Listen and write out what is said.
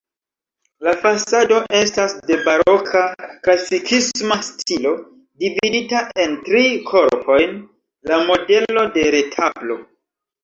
La fasado estas de baroka-klasikisma stilo, dividita en tri korpojn la modelo de retablo.